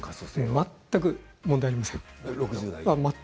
全く問題ありません。